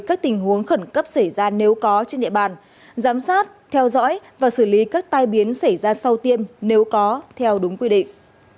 các tình huống khẩn cấp xảy ra nếu có trên địa bàn giám sát theo dõi và xử lý các tai biến xảy ra sau tiêm nếu có theo đúng quy định